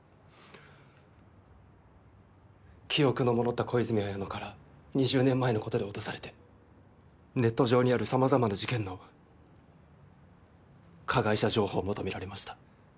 記憶の戻った小泉文乃から２０年前のことで脅されてネット上にある様々な事件の加害者情報を求められました。